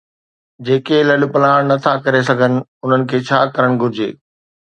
جيڪي لڏپلاڻ نٿا ڪري سگهن، انهن کي ڇا ڪرڻ گهرجي؟